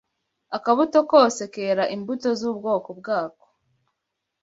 Akabuto kose kera imbuto z’ubwoko bwako.